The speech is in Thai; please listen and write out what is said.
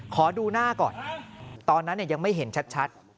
ขอดูหน้าก่อนตอนนั้นยังไม่เห็นชัด